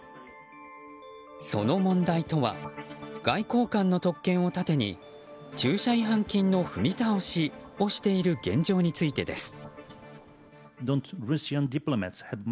その問題とは外交官の特権を盾に駐車違反金の踏み倒しをしている現状についてです。